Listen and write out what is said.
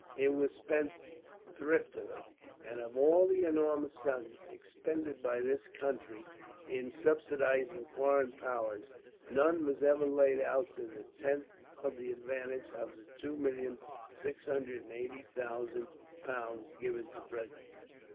It was spent thriftily, and of all the enormous sums expended by this country in subsidizing foreign powers, none was ever laid out to a tenth of the advantage of the 2,680,000 pounds given to Frederick.